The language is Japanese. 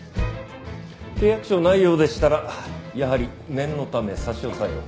契約書がないようでしたらやはり念のため差し押さえを。